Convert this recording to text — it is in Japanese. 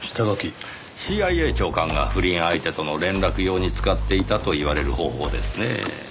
ＣＩＡ長官が不倫相手との連絡用に使っていたと言われる方法ですねぇ。